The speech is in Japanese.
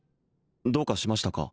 どうかしましたか？